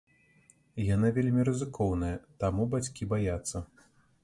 Яна вельмі рызыкоўная, таму бацькі баяцца.